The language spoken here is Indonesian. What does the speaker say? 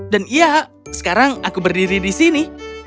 dan iya sekarang aku berdiri di sini